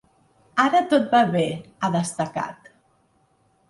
“Ara tot va bé”, ha destacat.